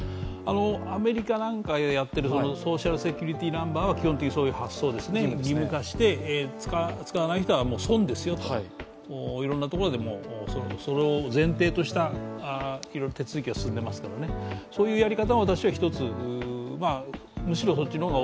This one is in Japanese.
アメリカなんかでやっているソーシャルセキュリティーナンバーは基本的にそういう発想です、義務化して、使わない人は損ですよといろんなところでそれを前提とした手続きが進んでいますからそういうやり方も私は一つ、むしろそっちの方が